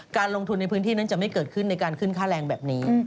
การลงทุนในพื้นที่นั้นจะไม่เกิดขึ้นในการขึ้นค่าแรงแบบนี้